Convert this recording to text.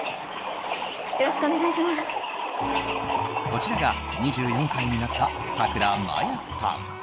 こちらが２４歳になったさくらまやさん。